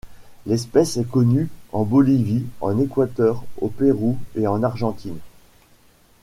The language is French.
L'espèce est connue en Bolivie, en Equateur, au Pérou et en Argentine.